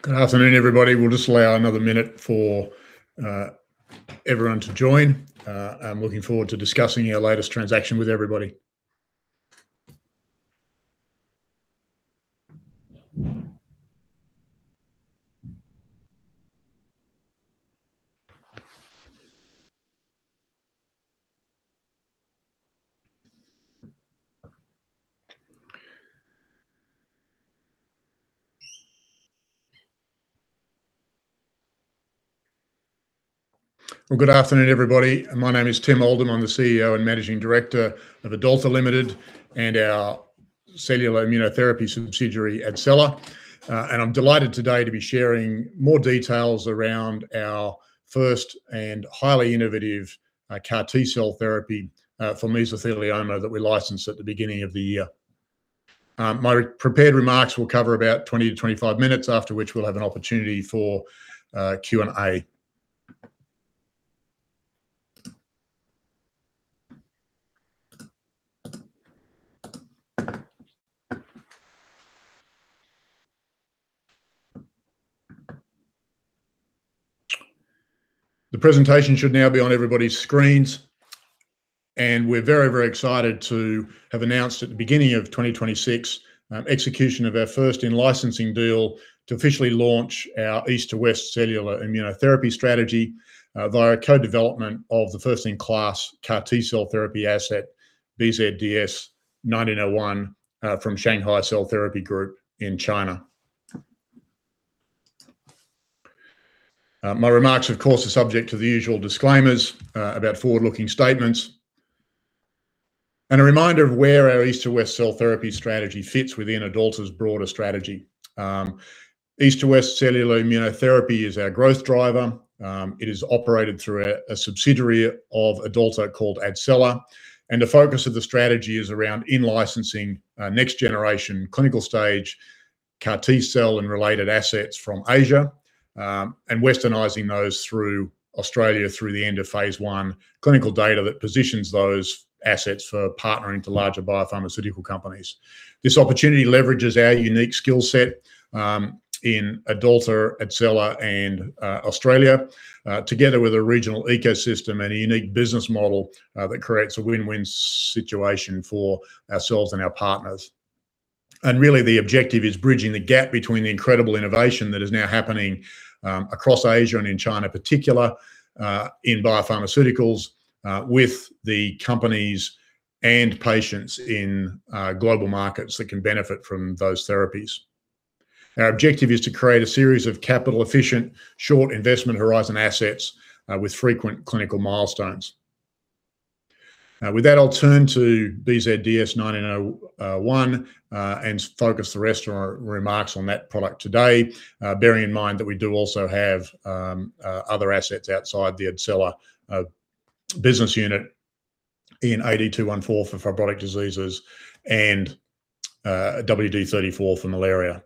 Good afternoon, everybody. We'll just allow another minute for everyone to join. I'm looking forward to discussing our latest transaction with everybody. Good afternoon, everybody. My name is Tim Oldham. I'm the CEO and Managing Director of AdAlta Limited and our cellular immunotherapy subsidiary, AdCella. I'm delighted today to be sharing more details around our first and highly innovative CAR-T cell therapy for mesothelioma that we licensed at the beginning of the year. My prepared remarks will cover about 20-25 minutes, after which we'll have an opportunity for Q&A. The presentation should now be on everybody's screens. We're very, very excited to have announced at the beginning of 2026 execution of our first in-licensing deal to officially launch our East-to-West cellular immunotherapy strategy via co-development of the first-in-class CAR-T cell therapy asset, BZDS1901, from Shanghai Cell Therapy Group in China. My remarks, of course, are subject to the usual disclaimers about forward-looking statements and a reminder of where our East-to-West cell therapy strategy fits within AdAlta's broader strategy. East-to-West cellular immunotherapy is our growth driver. It is operated through a subsidiary of AdAlta called AdCella. And the focus of the strategy is around in-licensing next-generation clinical stage CAR-T cell and related assets from Asia and westernizing those through Australia through the end of Phase I clinical data that positions those assets for partnering to larger biopharmaceutical companies. This opportunity leverages our unique skill set in AdAlta, AdCella, and Australia, together with a regional ecosystem and a unique business model that creates a win-win situation for ourselves and our partners. Really, the objective is bridging the gap between the incredible innovation that is now happening across Asia and in China in particular in biopharmaceuticals with the companies and patients in global markets that can benefit from those therapies. Our objective is to create a series of capital-efficient, short investment-horizon assets with frequent clinical milestones. With that, I'll turn to BZDS1901 and focus the rest of our remarks on that product today, bearing in mind that we do also have other assets outside the AdCella business unit in AD-214 for fibrotic diseases and WD-34 for malaria.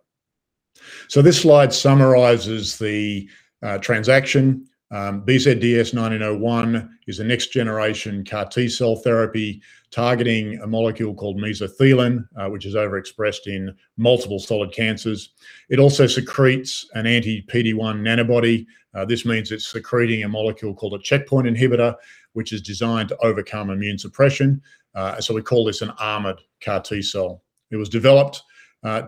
This slide summarizes the transaction. BZDS1901 is a next-generation CAR-T cell therapy targeting a molecule called mesothelin, which is overexpressed in multiple solid cancers. It also secretes an anti-PD-1 nanobody. This means it's secreting a molecule called a checkpoint inhibitor, which is designed to overcome immune suppression. So we call this an armored CAR-T cell. It was developed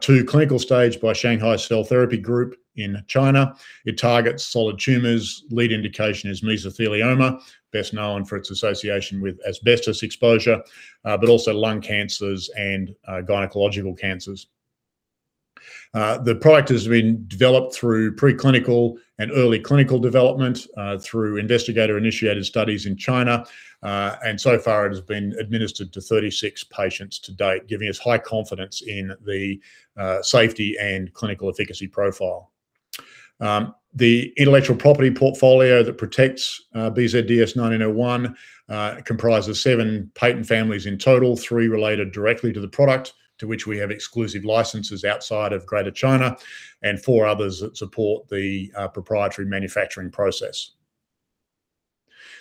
to clinical stage by Shanghai Cell Therapy Group in China. It targets solid tumors. Lead indication is mesothelioma, best known for its association with asbestos exposure, but also lung cancers and gynecological cancers. The product has been developed through preclinical and early clinical development through investigator-initiated studies in China. And so far, it has been administered to 36 patients to date, giving us high confidence in the safety and clinical efficacy profile. The intellectual property portfolio that protects BZDS1901 comprises seven patent families in total, three related directly to the product, to which we have exclusive licenses outside of Greater China, and four others that support the proprietary manufacturing process.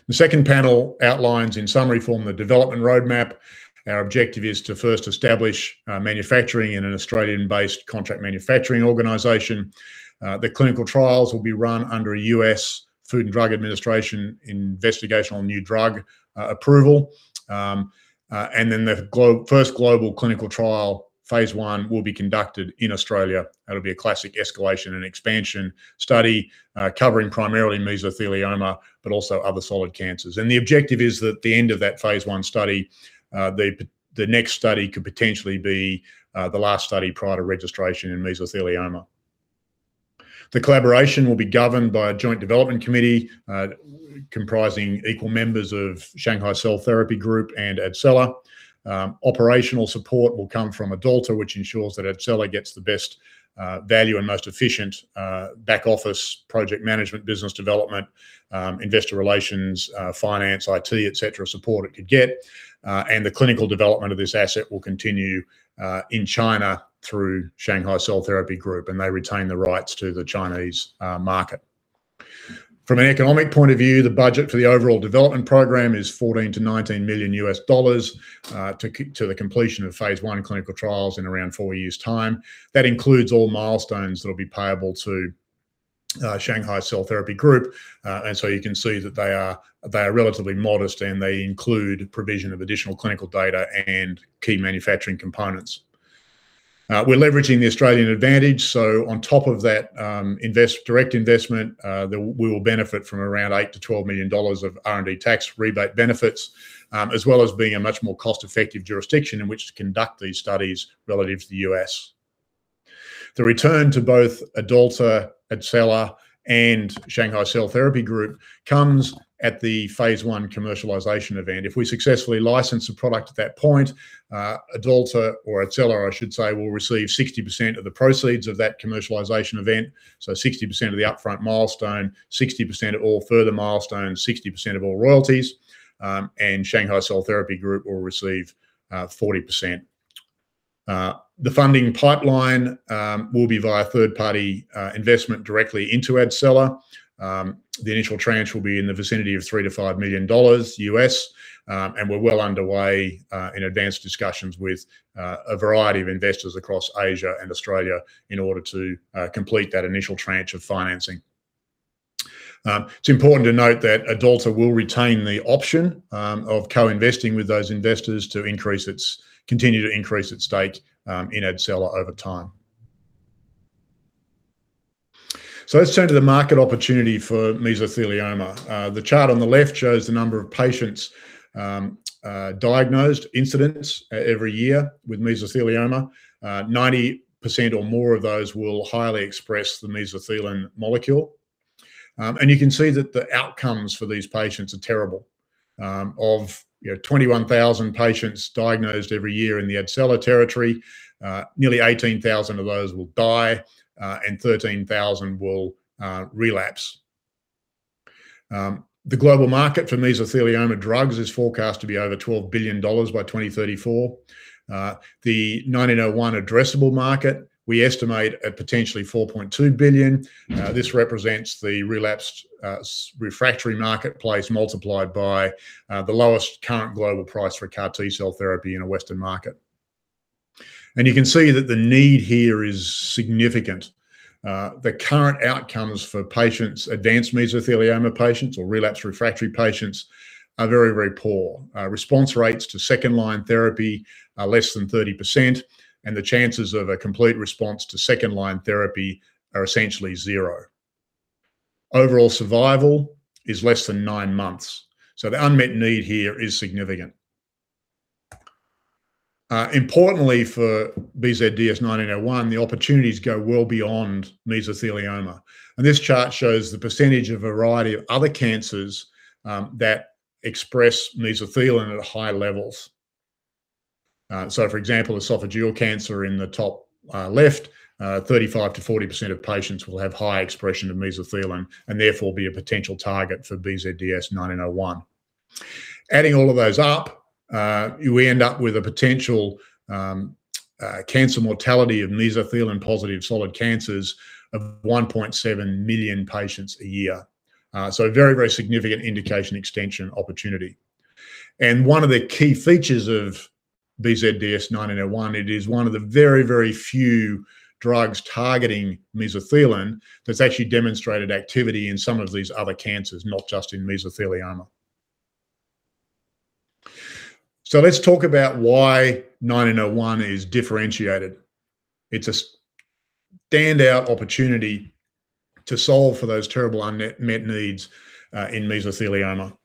The second panel outlines in summary form the development roadmap. Our objective is to first establish manufacturing in an Australian-based contract manufacturing organization. The clinical trials will be run under a U.S. Food and Drug Administration Investigational New Drug approval, and then the first global clinical trial, Phase I, will be conducted in Australia. That'll be a classic escalation and expansion study covering primarily mesothelioma, but also other solid cancers, and the objective is that at the end of that Phase I study, the next study could potentially be the last study prior to registration in mesothelioma. The collaboration will be governed by a Joint Development Committee comprising equal members of Shanghai Cell Therapy Group and AdCella. Operational support will come from AdAlta, which ensures that AdCella gets the best value and most efficient back-office project management, business development, investor relations, finance, IT, etc., support it could get. The clinical development of this asset will continue in China through Shanghai Cell Therapy Group, and they retain the rights to the Chinese market. From an economic point of view, the budget for the overall development program is $14 million-$19 million to the completion of Phase I clinical trials in around four years' time. That includes all milestones that will be payable to Shanghai Cell Therapy Group. And so you can see that they are relatively modest, and they include provision of additional clinical data and key manufacturing components. We're leveraging the Australian advantage. So on top of that direct investment, we will benefit from around 8 million-12 million dollars of R&D tax rebate benefits, as well as being a much more cost-effective jurisdiction in which to conduct these studies relative to the U.S. The return to both AdAlta, AdCella, and Shanghai Cell Therapy Group comes at the Phase I commercialization event. If we successfully license the product at that point, AdAlta or AdCella, I should say, will receive 60% of the proceeds of that commercialization event, so 60% of the upfront milestone, 60% of all further milestones, 60% of all royalties, and Shanghai Cell Therapy Group will receive 40%. The funding pipeline will be via third-party investment directly into AdCella. The initial tranche will be in the vicinity of $3-$5 million, and we're well underway in advanced discussions with a variety of investors across Asia and Australia in order to complete that initial tranche of financing. It's important to note that AdAlta will retain the option of co-investing with those investors to continue to increase its stake in AdCella over time. Let's turn to the market opportunity for mesothelioma. The chart on the left shows the number of patients diagnosed incidence every year with mesothelioma. 90% or more of those will highly express the mesothelin molecule. You can see that the outcomes for these patients are terrible. Of 21,000 patients diagnosed every year in the AdCella territory, nearly 18,000 of those will die, and 13,000 will relapse. The global market for mesothelioma drugs is forecast to be over $12 billion by 2034. The 901 addressable market, we estimate at potentially $4.2 billion. This represents the relapsed refractory marketplace multiplied by the lowest current global price for CAR-T cell therapy in a Western market. You can see that the need here is significant. The current outcomes for advanced mesothelioma patients or relapsed refractory patients are very, very poor. Response rates to second-line therapy are less than 30%, and the chances of a complete response to second-line therapy are essentially zero. Overall survival is less than nine months, so the unmet need here is significant. Importantly, for BZDS1901, the opportunities go well beyond mesothelioma, and this chart shows the percentage of a variety of other cancers that express mesothelin at high levels. For example, esophageal cancer in the top left, 35%-40% of patients will have high expression of mesothelin and therefore be a potential target for BZDS1901. Adding all of those up, we end up with a potential cancer mortality of mesothelin-positive solid cancers of 1.7 million patients a year, so a very, very significant indication extension opportunity. One of the key features of BZDS1901. It is one of the very, very few drugs targeting mesothelin that's actually demonstrated activity in some of these other cancers, not just in mesothelioma. Let's talk about why 901 is differentiated. It's a standout opportunity to solve for those terrible unmet needs in mesothelioma.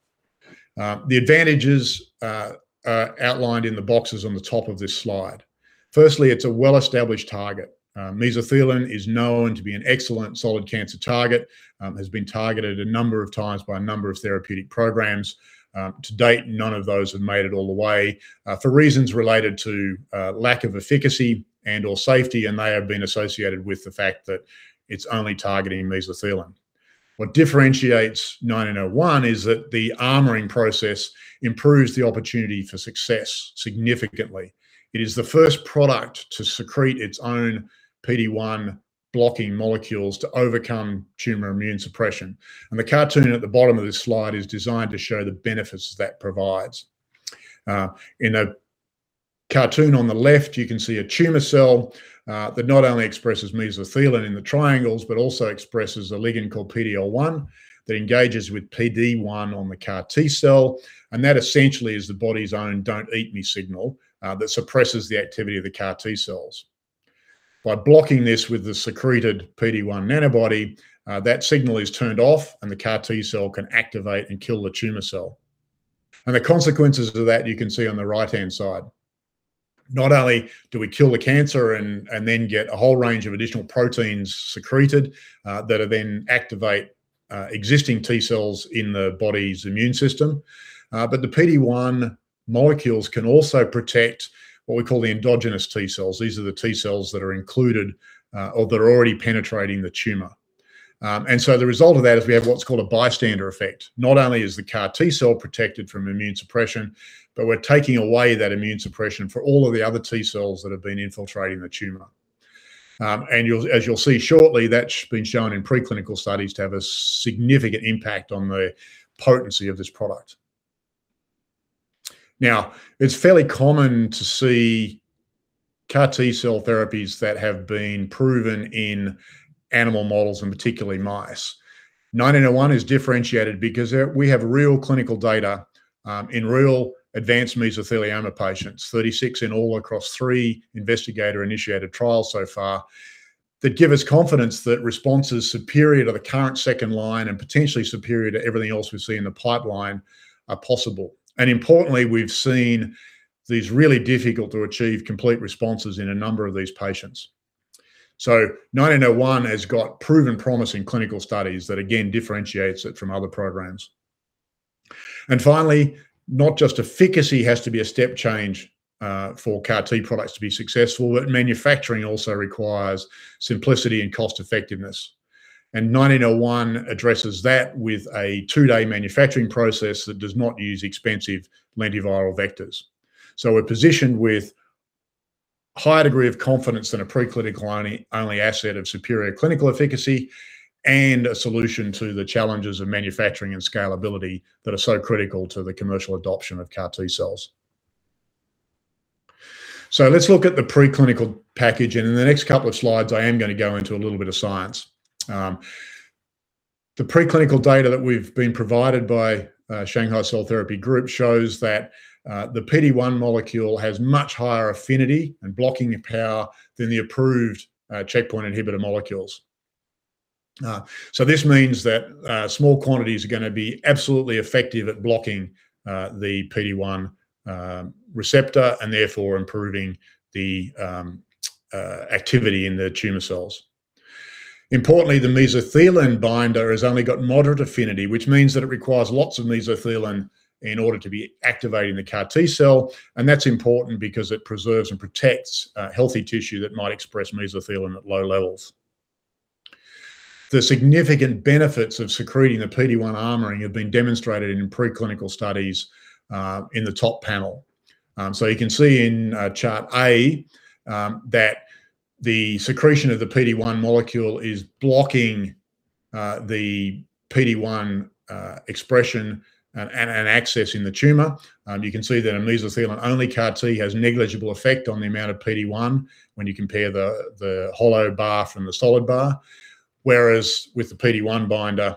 The advantages are outlined in the boxes on the top of this slide. Firstly, it's a well-established target. Mesothelin is known to be an excellent solid cancer target. It has been targeted a number of times by a number of therapeutic programs. To date, none of those have made it all the way for reasons related to lack of efficacy and/or safety, and they have been associated with the fact that it's only targeting mesothelin. What differentiates 901 is that the armoring process improves the opportunity for success significantly. It is the first product to secrete its own PD-1 blocking molecules to overcome tumor immune suppression, and the cartoon at the bottom of this slide is designed to show the benefits that provides. In the cartoon on the left, you can see a tumor cell that not only expresses mesothelin in the triangles, but also expresses a ligand called PD-L1 that engages with PD-1 on the CAR-T cell, and that essentially is the body's own don't-eat-me signal that suppresses the activity of the CAR-T cells. By blocking this with the secreted PD-1 nanobody, that signal is turned off, and the CAR-T cell can activate and kill the tumor cell, and the consequences of that you can see on the right-hand side. Not only do we kill the cancer and then get a whole range of additional proteins secreted that then activate existing T-cells in the body's immune system, but the PD-1 molecules can also protect what we call the endogenous T-cells. These are the T-cells that are included or that are already penetrating the tumor. And so the result of that is we have what's called a bystander effect. Not only is the CAR-T cell protected from immune suppression, but we're taking away that immune suppression for all of the other T-cells that have been infiltrating the tumor. And as you'll see shortly, that's been shown in preclinical studies to have a significant impact on the potency of this product. Now, it's fairly common to see CAR-T cell therapies that have been proven in animal models and particularly mice. 901 is differentiated because we have real clinical data in real advanced mesothelioma patients, 36 in all across three investigator-initiated trials so far, that give us confidence that responses superior to the current second line and potentially superior to everything else we see in the pipeline are possible. And importantly, we've seen these really difficult-to-achieve complete responses in a number of these patients. So 901 has got proven promise in clinical studies that, again, differentiates it from other programs. And finally, not just efficacy has to be a step change for CAR-T products to be successful, but manufacturing also requires simplicity and cost-effectiveness. And 901 addresses that with a two-day manufacturing process that does not use expensive lentiviral vectors. We're positioned with a higher degree of confidence than a preclinical-only asset of superior clinical efficacy and a solution to the challenges of manufacturing and scalability that are so critical to the commercial adoption of CAR-T cells. Let's look at the preclinical package. In the next couple of slides, I am going to go into a little bit of science. The preclinical data that we've been provided by Shanghai Cell Therapy Group shows that the PD-1 molecule has much higher affinity and blocking power than the approved checkpoint inhibitor molecules. This means that small quantities are going to be absolutely effective at blocking the PD-1 receptor and therefore improving the activity in the tumor cells. Importantly, the mesothelin binder has only got moderate affinity, which means that it requires lots of mesothelin in order to be activating the CAR-T cell. That's important because it preserves and protects healthy tissue that might express mesothelin at low levels. The significant benefits of secreting the PD-1 armoring have been demonstrated in preclinical studies in the top panel. You can see in chart A that the secretion of the PD-1 molecule is blocking the PD-1 expression and access in the tumor. You can see that a mesothelin-only CAR-T has negligible effect on the amount of PD-1 when you compare the hollow bar from the solid bar, whereas with the PD-1 binder,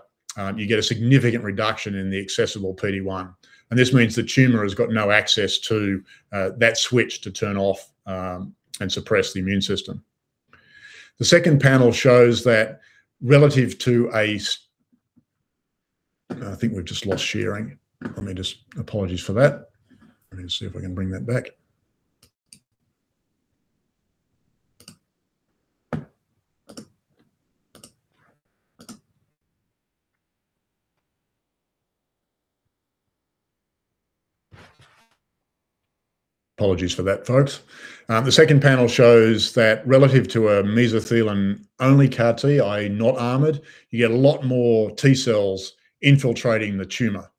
you get a significant reduction in the accessible PD-1. This means the tumor has got no access to that switch to turn off and suppress the immune system. The second panel shows that relative to a—I think we've just lost sharing. Apologies for that. Let me see if I can bring that back. Apologies for that, folks. The second panel shows that relative to a mesothelin-only CAR-T, i.e., not armored, you get a lot more T-cells infiltrating the tumor.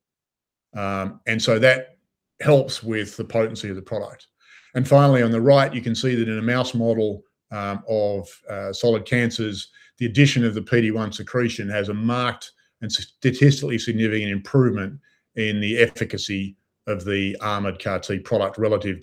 And so that helps with the potency of the product. And finally, on the right, you can see that in a mouse model of solid cancers, the addition of the PD-1 secretion has a marked and statistically significant improvement in the efficacy of the armored CAR-T product relative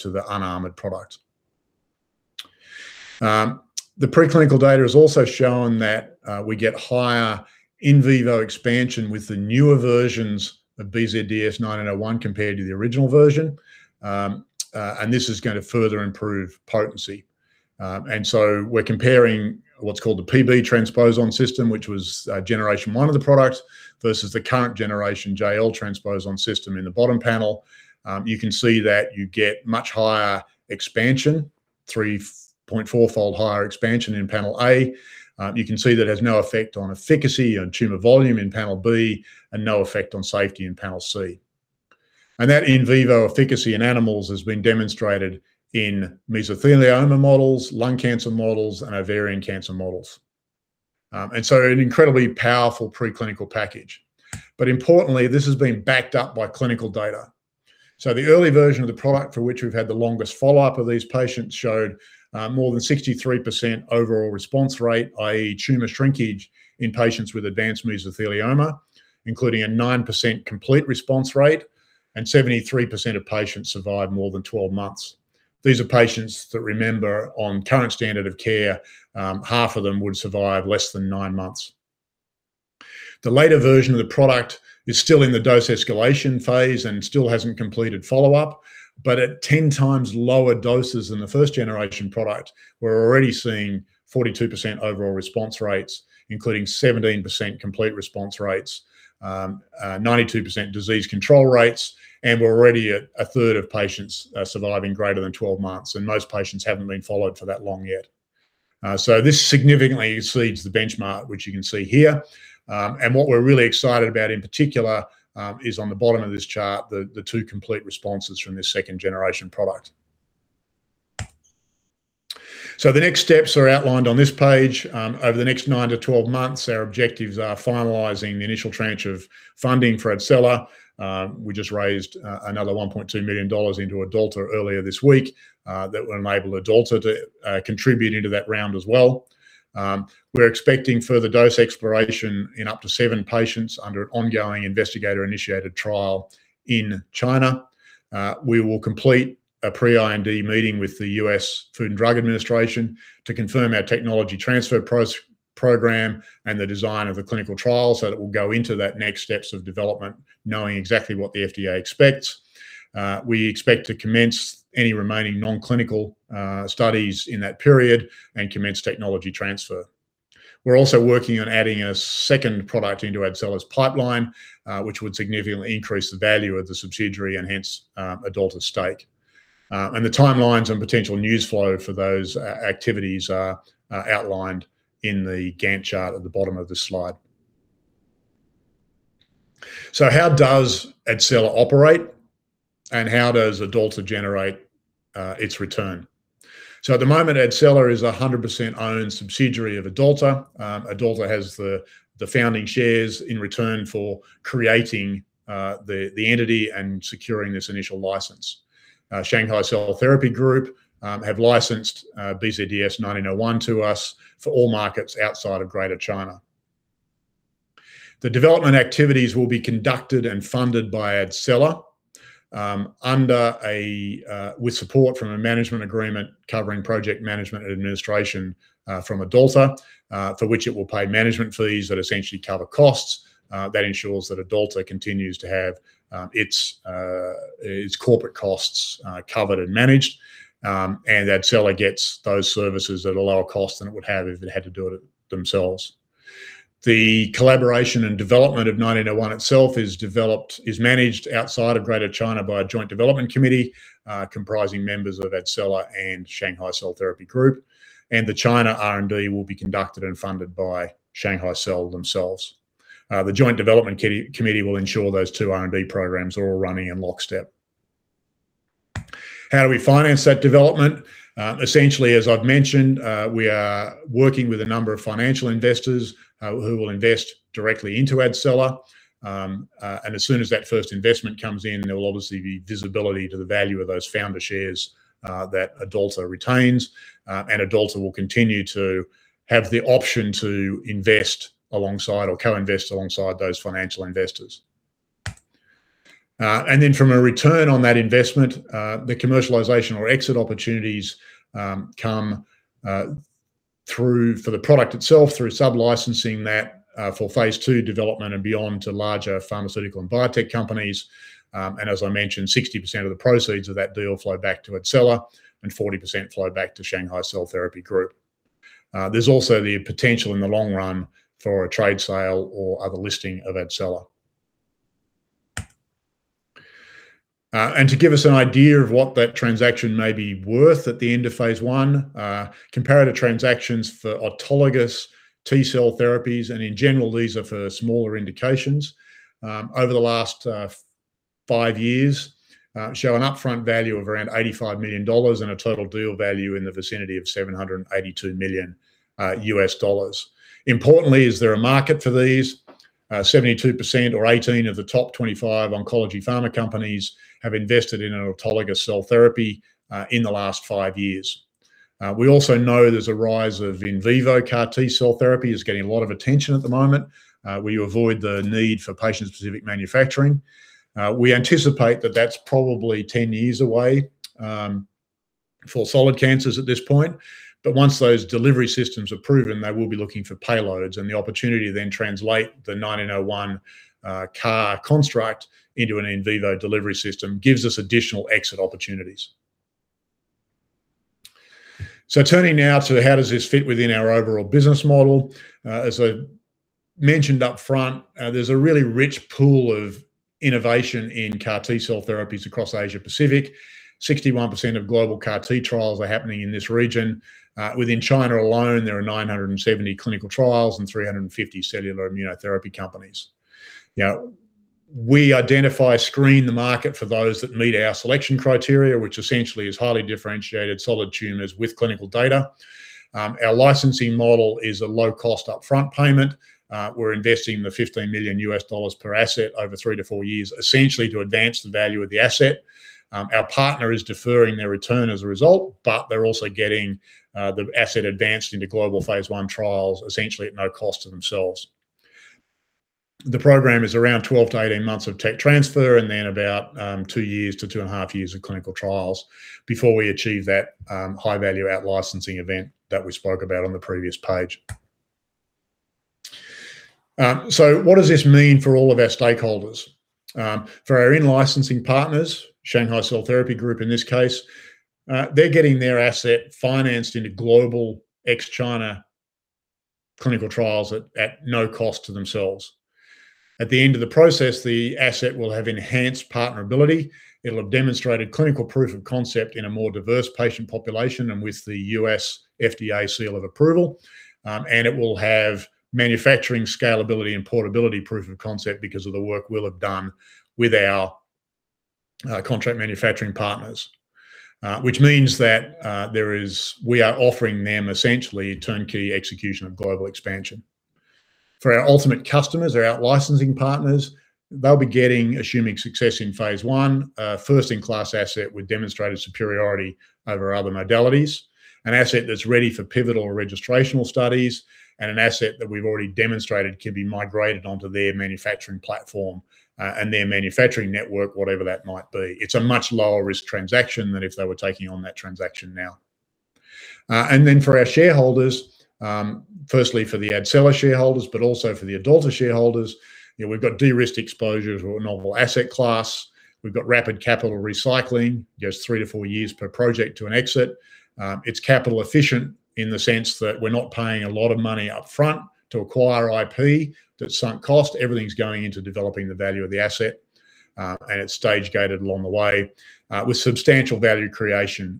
to the unarmored product. The preclinical data has also shown that we get higher in vivo expansion with the newer versions of BZDS1901 compared to the original version. And this is going to further improve potency. And so we're comparing what's called the PB transposon system, which was generation one of the products versus the current generation JL transposon system in the bottom panel. You can see that you get much higher expansion, 3.4-fold higher expansion in panel A. You can see that it has no effect on efficacy and tumor volume in panel B and no effect on safety in panel C, and that in vivo efficacy in animals has been demonstrated in mesothelioma models, lung cancer models, and ovarian cancer models, and so an incredibly powerful preclinical package, but importantly, this has been backed up by clinical data, so the early version of the product for which we've had the longest follow-up of these patients showed more than 63% overall response rate, i.e., tumor shrinkage in patients with advanced mesothelioma, including a 9% complete response rate, and 73% of patients survived more than 12 months. These are patients that, remember, on current standard of care, half of them would survive less than nine months. The later version of the product is still in the dose escalation phase and still hasn't completed follow-up, but at 10 times lower doses than the first-generation product, we're already seeing 42% overall response rates, including 17% complete response rates, 92% disease control rates, and we're already at a third of patients surviving greater than 12 months, and most patients haven't been followed for that long yet, so this significantly exceeds the benchmark, which you can see here, and what we're really excited about in particular is on the bottom of this chart, the two complete responses from this second-generation product, so the next steps are outlined on this page. Over the next 9-12 months, our objectives are finalizing the initial tranche of funding for AdCella. We just raised another 1.2 million dollars into AdAlta earlier this week that will enable AdAlta to contribute into that round as well. We're expecting further dose exploration in up to seven patients under an ongoing investigator-initiated trial in China. We will complete a pre-IND meeting with the U.S. Food and Drug Administration to confirm our technology transfer program and the design of the clinical trial so that we'll go into that next steps of development knowing exactly what the FDA expects. We expect to commence any remaining non-clinical studies in that period and commence technology transfer. We're also working on adding a second product into AdCella's pipeline, which would significantly increase the value of the subsidiary and hence AdAlta's stake. And the timelines and potential news flow for those activities are outlined in the Gantt chart at the bottom of this slide. How does AdCella operate and how does AdAlta generate its return? At the moment, AdCella is a 100% owned subsidiary of AdAlta. AdAlta has the founding shares in return for creating the entity and securing this initial license. Shanghai Cell Therapy Group have licensed BZDS1901 to us for all markets outside of Greater China. The development activities will be conducted and funded by AdCella with support from a management agreement covering project management and administration from AdAlta, for which it will pay management fees that essentially cover costs. That ensures that AdAlta continues to have its corporate costs covered and managed, and AdCella gets those services at a lower cost than it would have if it had to do it themselves. The collaboration and development of 901 itself is managed outside of Greater China by a joint development committee comprising members of AdCella and Shanghai Cell Therapy Group, and the China R&D will be conducted and funded by Shanghai Cell themselves. The joint development committee will ensure those two R&D programs are all running in lockstep. How do we finance that development? Essentially, as I've mentioned, we are working with a number of financial investors who will invest directly into AdCella. And as soon as that first investment comes in, there will obviously be visibility to the value of those founder shares that AdAlta retains. And AdAlta will continue to have the option to invest alongside or co-invest alongside those financial investors. And then from a return on that investment, the commercialization or exit opportunities come for the product itself through sublicensing that for Phase II development and beyond to larger pharmaceutical and biotech companies. And as I mentioned, 60% of the proceeds of that deal flow back to AdCella and 40% flow back to Shanghai Cell Therapy Group. There's also the potential in the long run for a trade sale or other listing of AdCella. And to give us an idea of what that transaction may be worth at the end of Phase I, comparative transactions for autologous T-cell therapies, and in general, these are for smaller indications, over the last five years show an upfront value of around $85 million and a total deal value in the vicinity of $782 million. Importantly, is there a market for these? 72% or 18% of the top 25 oncology pharma companies have invested in an autologous cell therapy in the last five years. We also know there's a rise of in vivo CAR-T cell therapy is getting a lot of attention at the moment where you avoid the need for patient-specific manufacturing. We anticipate that that's probably 10 years away for solid cancers at this point. But once those delivery systems are proven, they will be looking for payloads. And the opportunity to then translate the 901 CAR construct into an in vivo delivery system gives us additional exit opportunities. So turning now to how does this fit within our overall business model. As I mentioned upfront, there's a really rich pool of innovation in CAR-T cell therapies across Asia-Pacific. 61% of global CAR-T trials are happening in this region. Within China alone, there are 970 clinical trials and 350 cellular immunotherapy companies. We identify and screen the market for those that meet our selection criteria, which essentially is highly differentiated solid tumors with clinical data. Our licensing model is a low-cost upfront payment. We're investing the $15 million USD per asset over three to four years, essentially to advance the value of the asset. Our partner is deferring their return as a result, but they're also getting the asset advanced into global Phase I trials essentially at no cost to themselves. The program is around 12 to 18 months of tech transfer and then about two years to two and a half years of clinical trials before we achieve that high-value-out licensing event that we spoke about on the previous page. So what does this mean for all of our stakeholders? For our in-licensing partners, Shanghai Cell Therapy Group in this case, they're getting their asset financed into global ex-China clinical trials at no cost to themselves. At the end of the process, the asset will have enhanced partnerability. It'll have demonstrated clinical proof of concept in a more diverse patient population and with the U.S. FDA seal of approval. And it will have manufacturing scalability and portability proof of concept because of the work we'll have done with our contract manufacturing partners, which means that we are offering them essentially turnkey execution of global expansion. For our ultimate customers, our out-licensing partners, they'll be getting, assuming success in Phase I, a first-in-class asset with demonstrated superiority over other modalities, an asset that's ready for pivotal registrational studies, and an asset that we've already demonstrated can be migrated onto their manufacturing platform and their manufacturing network, whatever that might be. It's a much lower-risk transaction than if they were taking on that transaction now. And then for our shareholders, firstly, for the AdCella shareholders, but also for the AdAlta shareholders, we've got de-risk exposure to a novel asset class. We've got rapid capital recycling. It goes three to four years per project to an exit. It's capital efficient in the sense that we're not paying a lot of money upfront to acquire IP that's sunk cost. Everything's going into developing the value of the asset, and it's stage-gated along the way with substantial value creation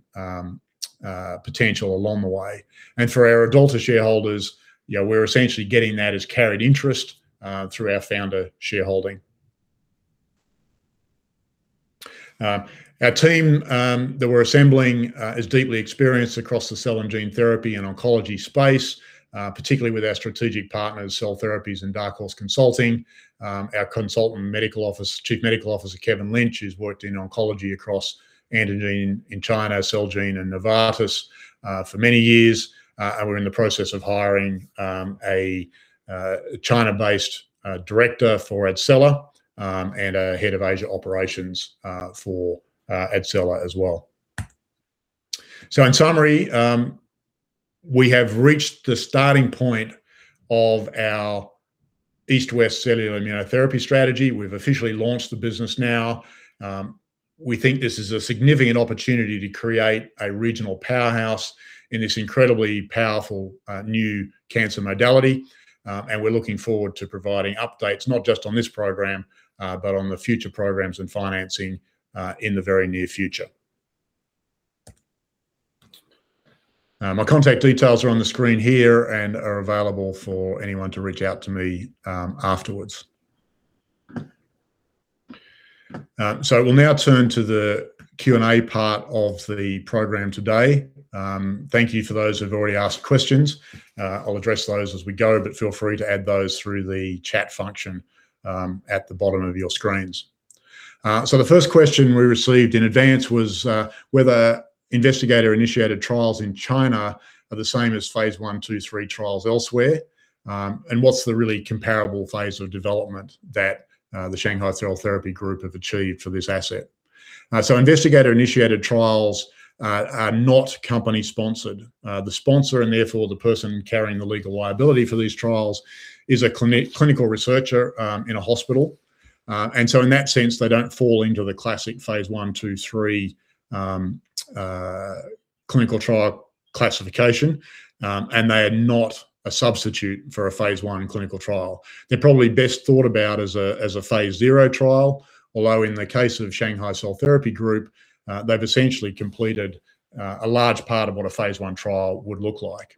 potential along the way. For our AdAlta shareholders, we're essentially getting that as carried interest through our founder shareholding. Our team that we're assembling is deeply experienced across the cell and gene therapy and oncology space, particularly with our strategic partners, Cell Therapies and Dark Horse Consulting. Our Consultant Chief Medical Officer, Kevin Lynch, has worked in oncology across Amgen in China, Celgene, and Novartis for many years. We're in the process of hiring a China-based director for AdCella and a head of Asia operations for AdCella as well. In summary, we have reached the starting point of our east-west cellular immunotherapy strategy. We've officially launched the business now. We think this is a significant opportunity to create a regional powerhouse in this incredibly powerful new cancer modality. And we're looking forward to providing updates not just on this program, but on the future programs and financing in the very near future. My contact details are on the screen here and are available for anyone to reach out to me afterwards. So we'll now turn to the Q&A part of the program today. Thank you for those who've already asked questions. I'll address those as we go, but feel free to add those through the chat function at the bottom of your screens. The first question we received in advance was whether investigator-initiated trials in China are the same as Phase I, II, III trials elsewhere, and what's the really comparable phase of development that the Shanghai Cell Therapy Group have achieved for this asset. Investigator-initiated trials are not company-sponsored. The sponsor, and therefore the person carrying the legal liability for these trials, is a clinical researcher in a hospital. In that sense, they don't fall into the classic Phase I, II, III clinical trial classification, and they are not a substitute for a Phase I clinical trial. They're probably best thought about as a Phase zero trial, although in the case of Shanghai Cell Therapy Group, they've essentially completed a large part of what a Phase I trial would look like.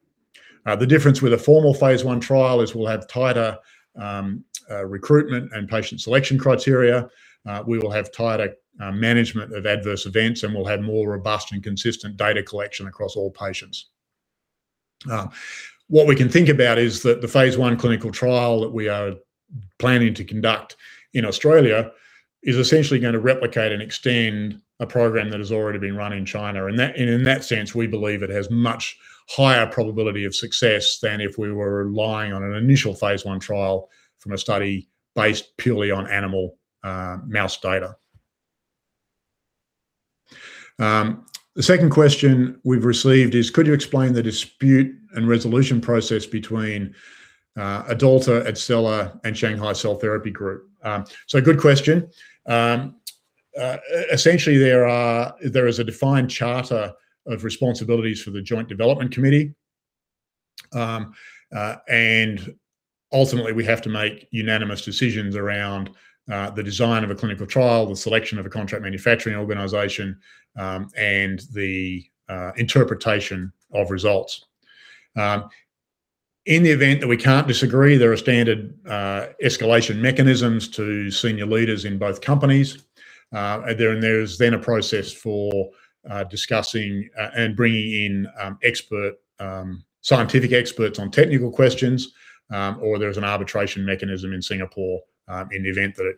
The difference with a formal Phase I trial is we'll have tighter recruitment and patient selection criteria. We will have tighter management of adverse events, and we'll have more robust and consistent data collection across all patients. What we can think about is that the Phase I clinical trial that we are planning to conduct in Australia is essentially going to replicate and extend a program that has already been run in China. In that sense, we believe it has much higher probability of success than if we were relying on an initial Phase I trial from a study based purely on animal mouse data. The second question we've received is, could you explain the dispute and resolution process between AdAlta, AdCella, and Shanghai Cell Therapy Group? Good question. Essentially, there is a defined charter of responsibilities for the joint development committee. Ultimately, we have to make unanimous decisions around the design of a clinical trial, the selection of a contract manufacturing organization, and the interpretation of results. In the event that we can't agree, there are standard escalation mechanisms to senior leaders in both companies. There is then a process for discussing and bringing in scientific experts on technical questions, or there's an arbitration mechanism in Singapore in the event that it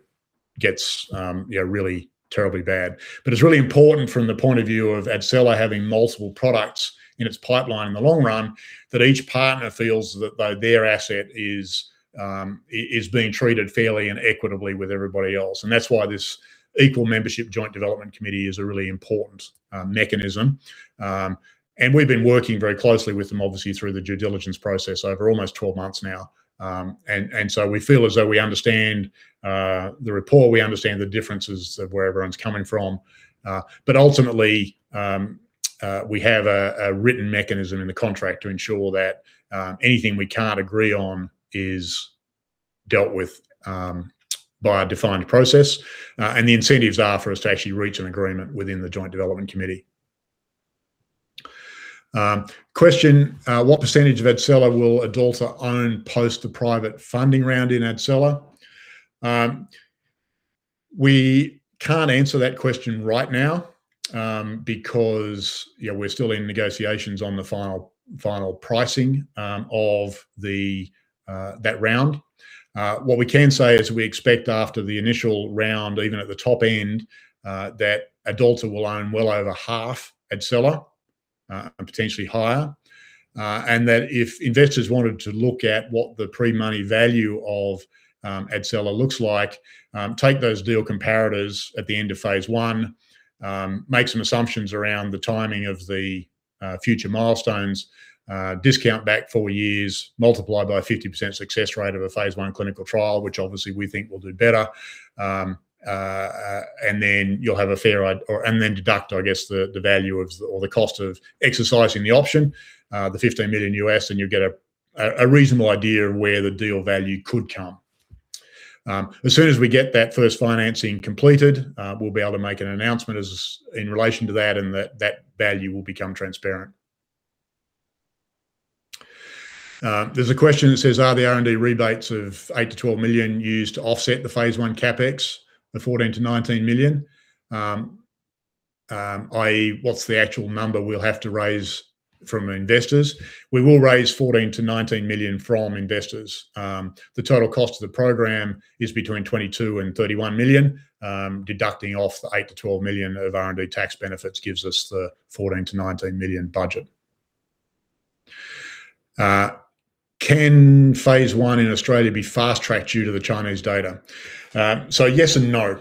gets really terribly bad. But it's really important from the point of view of AdCella having multiple products in its pipeline in the long run that each partner feels that their asset is being treated fairly and equitably with everybody else. That's why this equal membership joint development committee is a really important mechanism. We've been working very closely with them, obviously, through the due diligence process over almost 12 months now. And so we feel as though we understand the rapport, we understand the differences of where everyone's coming from. But ultimately, we have a written mechanism in the contract to ensure that anything we can't agree on is dealt with by a defined process. And the incentives are for us to actually reach an agreement within the joint development committee. Question, what percentage of AdCella will AdAlta own post the private funding round in AdCella? We can't answer that question right now because we're still in negotiations on the final pricing of that round. What we can say is we expect after the initial round, even at the top end, that AdAlta will own well over half AdCella and potentially higher. And that if investors wanted to look at what the pre-money value of AdCella looks like, take those deal comparators at the end of Phase I, make some assumptions around the timing of the future milestones, discount back four years, multiply by 50% success rate of a Phase I clinical trial, which obviously we think will do better. And then you'll have a fair and then deduct, I guess, the value or the cost of exercising the option, the $15 million, and you'll get a reasonable idea of where the deal value could come. As soon as we get that first financing completed, we'll be able to make an announcement in relation to that and that that value will become transparent. There's a question that says, are the R&D rebates of 8-12 million used to offset the Phase I CapEx, the 14-19 million? I.e., what's the actual number we'll have to raise from investors? We will raise 14-19 million from investors. The total cost of the program is between 22 and 31 million. Deducting off the 8-12 million of R&D tax benefits gives us the 14-19 million budget. Can Phase I in Australia be fast-tracked due to the Chinese data? Yes and no.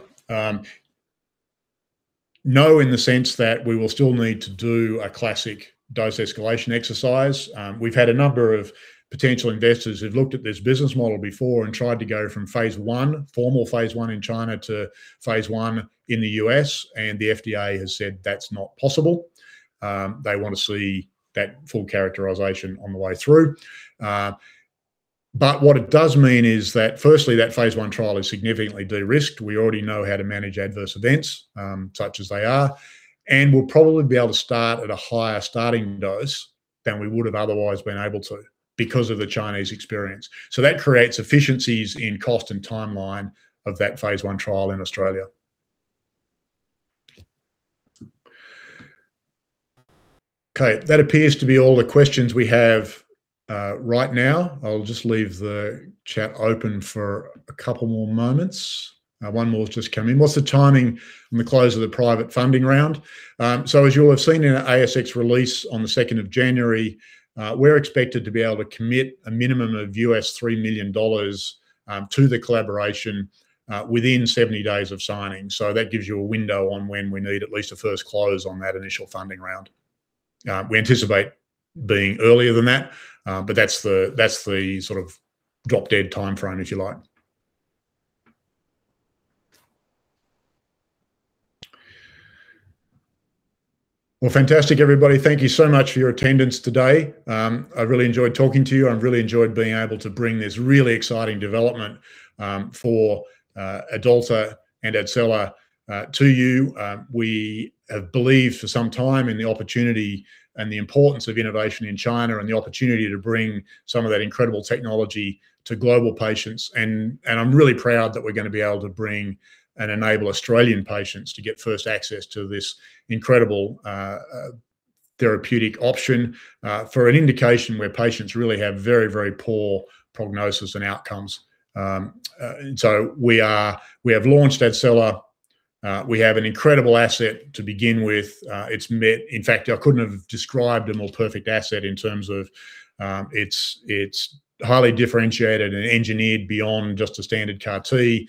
No in the sense that we will still need to do a classic dose escalation exercise. We've had a number of potential investors who've looked at this business model before and tried to go from formal Phase I in China to Phase I in the U.S., and the FDA has said that's not possible. They want to see that full characterization on the way through. But what it does mean is that, firstly, that Phase I trial is significantly de-risked. We already know how to manage adverse events such as they are. And we'll probably be able to start at a higher starting dose than we would have otherwise been able to because of the Chinese experience. So that creates efficiencies in cost and timeline of that Phase I trial in Australia. Okay, that appears to be all the questions we have right now. I'll just leave the chat open for a couple more moments. One more has just come in. What's the timing on the close of the private funding round? So as you'll have seen in ASX release on the 2nd of January, we're expected to be able to commit a minimum of $3 million to the collaboration within 70 days of signing. So that gives you a window on when we need at least a first close on that initial funding round. We anticipate being earlier than that, but that's the sort of drop-dead timeframe, if you like. Well, fantastic, everybody. Thank you so much for your attendance today. I really enjoyed talking to you. I've really enjoyed being able to bring this really exciting development for AdAlta and AdCella to you. We have believed for some time in the opportunity and the importance of innovation in China and the opportunity to bring some of that incredible technology to global patients. And I'm really proud that we're going to be able to bring and enable Australian patients to get first access to this incredible therapeutic option for an indication where patients really have very, very poor prognosis and outcomes. And so we have launched AdCella. We have an incredible asset to begin with. In fact, I couldn't have described a more perfect asset in terms of its highly differentiated and engineered beyond just a standard CAR-T.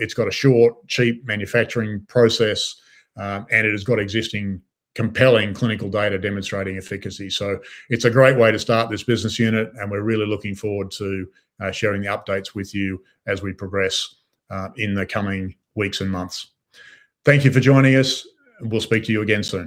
It's got a short, cheap manufacturing process, and it has got existing compelling clinical data demonstrating efficacy. So it's a great way to start this business unit, and we're really looking forward to sharing the updates with you as we progress in the coming weeks and months. Thank you for joining us. We'll speak to you again soon.